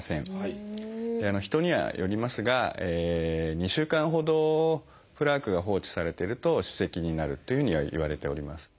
人にはよりますが２週間ほどプラークが放置されてると歯石になるというふうにはいわれております。